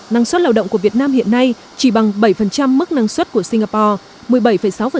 năng suất lao động của việt nam hiện nay chỉ bằng bảy mức năng suất của singapore